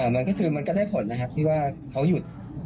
มันก็ได้ผลนะครับที่ว่าเขาหยุด